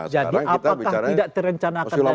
jadi apakah tidak direncanakan dari sekarang